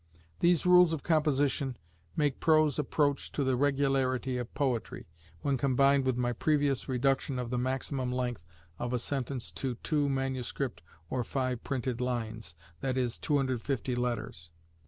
These rules of composition make prose approach to the regularity of poetry, when combined with my previous reduction of the maximum length of a sentence to two manuscript or five printed lines, that is, 250 letters."